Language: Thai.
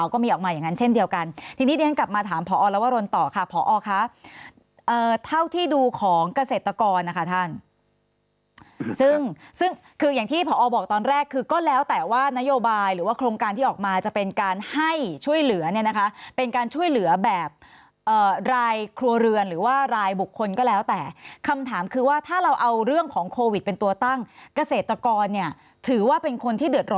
ก็มีออกมาอย่างนั้นเช่นเดียวกันทีนี้เรียนกลับมาถามพอลวรนต่อค่ะพอค่ะเท่าที่ดูของเกษตรกรนะคะท่านซึ่งคืออย่างที่พอบอกตอนแรกคือก็แล้วแต่ว่านโยบายหรือว่าโครงการที่ออกมาจะเป็นการให้ช่วยเหลือเนี่ยนะคะเป็นการช่วยเหลือแบบรายครัวเรือนหรือว่ารายบุคคลก็แล้วแต่คำถามคือว่าถ้าเราเอาเรื่องของโควิดเป็นตัวตั้งเกษตรกรเนี่ยถือว่าเป็นคนที่เด